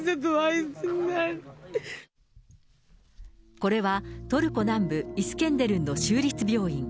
これはトルコ南部イスケンデルンの州立病院。